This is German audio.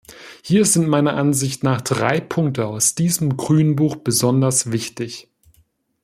Hier sind meiner Ansicht nach drei Punkte aus diesem Grünbuch besonders wichtig.